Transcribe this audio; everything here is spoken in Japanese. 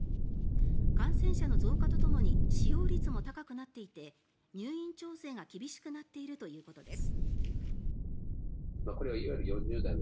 感染者の増加とともに使用率も高くなっていて入院調整が厳しくなっているということです。